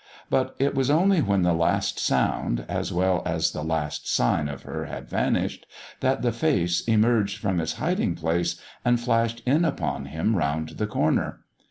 But it was only when the last sound, as well as the last sign of her had vanished, that the face emerged from its hiding place and flashed in upon him round the corner.